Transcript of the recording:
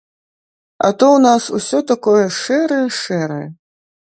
А то ў нас усё такое шэрае-шэрае.